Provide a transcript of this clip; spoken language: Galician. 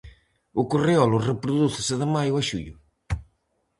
O correolo reprodúcese de maio a xullo.